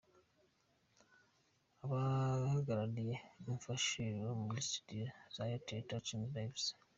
Abahagarariye Enfant Chez Soi muri studio za Airtel Touching Lives.